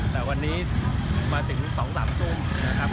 แต่วันนี้มาถึง๒๓ทุ่มนะครับ